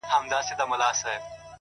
د سترگو توري په کي به دي ياده لرم”